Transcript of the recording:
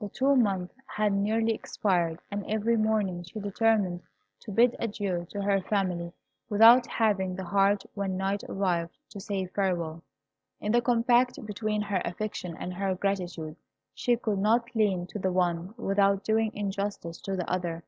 The two months had nearly expired, and every morning she determined to bid adieu to her family, without having the heart when night arrived to say farewell. In the combat between her affection and her gratitude, she could not lean to the one without doing injustice to the other.